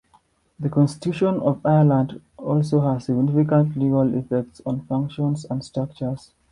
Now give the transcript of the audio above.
The Constitution of Ireland also has significant legal effect on functions and structures.